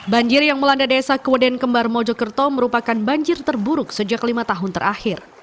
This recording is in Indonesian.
banjir yang melanda desa keweden kembar mojokerto merupakan banjir terburuk sejak lima tahun terakhir